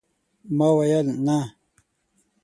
ما ويل ، نه !